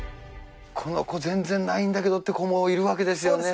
この子全然ないんだけどっていう子もいるわけですよね。